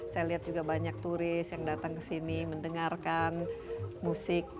saya lihat juga banyak turis yang datang ke sini mendengarkan musik